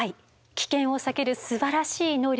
危険を避けるすばらしい能力。